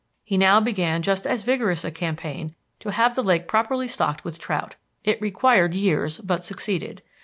He now began just as vigorous a campaign to have the lake properly stocked with trout. It required years but succeeded.